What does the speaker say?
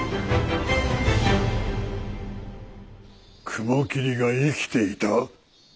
雲霧が生きていた？